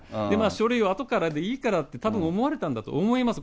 書類はあとからでいいからって、たぶん思われたんだと思います。